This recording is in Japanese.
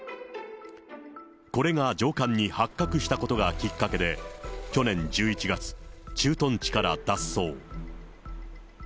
これが上官に発覚したことがきっかけで、去年１１月、駐屯地から脱走。